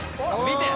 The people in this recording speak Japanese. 見て。